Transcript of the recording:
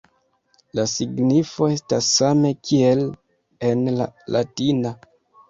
La signifo estas same kiel en la latina.